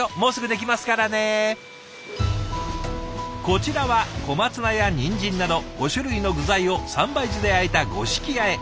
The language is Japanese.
こちらは小松菜やニンジンなど５種類の具材を三杯酢であえた五色あえ。